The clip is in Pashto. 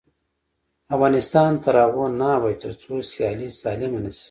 افغانستان تر هغو نه ابادیږي، ترڅو سیالي سالمه نشي.